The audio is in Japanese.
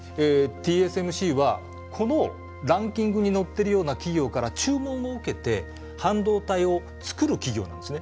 ＴＳＭＣはこのランキングに載ってるような企業から注文を受けて半導体をつくる企業なんですね。